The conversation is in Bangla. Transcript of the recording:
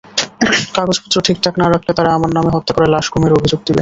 কাগজপত্র ঠিকঠাক না রাখলে, তারা আমার নামে হত্যা করে লাশ গুমের অভিযোগ দিবে।